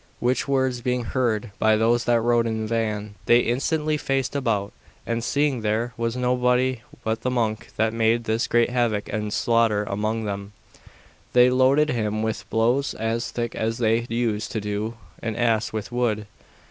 Which words being heard by those that rode in the van, they instantly faced about, and seeing there was nobody but the monk that made this great havoc and slaughter among them, they loaded him with blows as thick as they use to do an ass with wood.